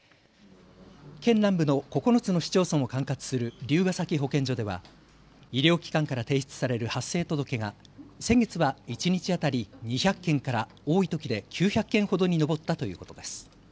県南部の９つの市町村を管轄する竜ケ崎保健所では医療機関から提出される発生届が先月は一日当たり２００件から多いときで９００件ほどに上ったということです。